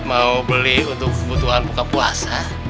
mau beli untuk kebutuhan buka puasa